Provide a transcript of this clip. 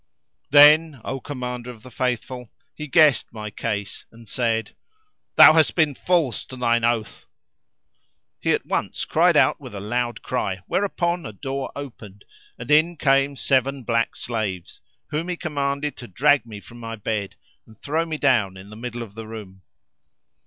Then, O Commander of the Faithful, he guessed my case and said, "Thou hast been false to thine oath." He at once cried out with a loud cry, whereupon a door opened and in came seven black slaves whom he commanded to drag me from my bed and throw me down in the middle of the room.